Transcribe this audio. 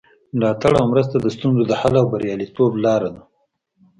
ملاتړ او مرسته د ستونزو د حل او بریالیتوب لاره ده.